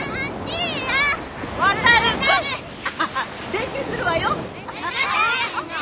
練習するわよ。